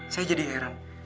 saya jadi heran